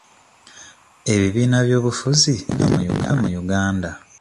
Ebibiina by'obufuzi biri bimeka mu Uganda?